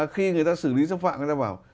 khi người ta xử lý xâm phạm người ta vào